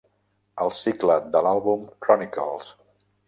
El cicle de l'àlbum "Chronicles".